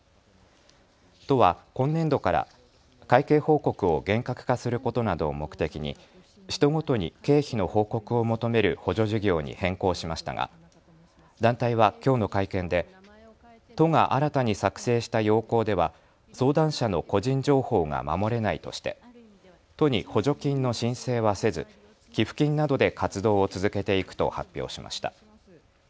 都は今年度から会計報告を厳格化することなどを目的に使途ごとに経費の報告を求める補助事業に変更しましたが団体はきょうの会見で都が新たに作成した要綱では相談者の個人情報が守れないとして都に補助金の申請はせず寄付金などで活動を続けていくと発表しました。